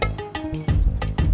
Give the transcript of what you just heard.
ya ada tiga orang